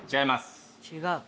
違う？